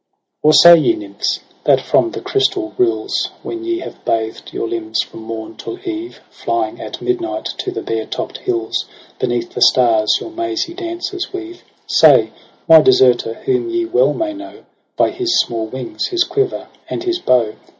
1 Or say ye nymphs^ that from the crystal rills ^ When ye have bathed your limbs from mom till eve^ Flying at midnight to the bare topt hills^ "Beneath the stars your mazy dances "weave ^ Say, my deserter whom ye well may know By his small wings , his quiver, and his bow.